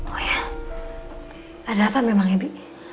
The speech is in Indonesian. oh ya ada apa memang ebi